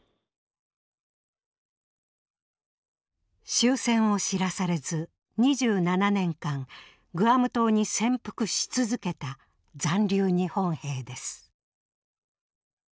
終戦を知らされず２７年間グアム島に潜伏し続けた残留日本兵です。